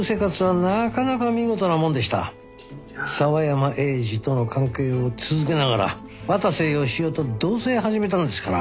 沢山栄次との関係を続けながら渡瀬義雄と同棲を始めたんですから。